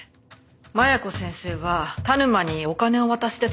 麻弥子先生は田沼にお金を渡してたみたいです。